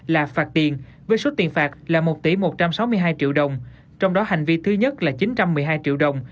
là phạt tiền với số tiền phạt là một tỷ một trăm sáu mươi hai triệu đồng trong đó hành vi thứ nhất là chín trăm một mươi hai triệu đồng